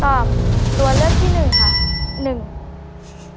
ตัวเลือกที่หนึ่งค่ะ